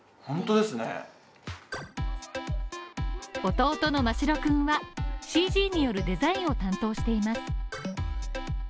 弟のマシロくんはＣＧによるデザインを担当しています。